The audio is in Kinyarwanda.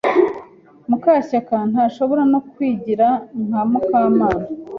Mukashyaka ntashobora no kwigira nka Mukamana.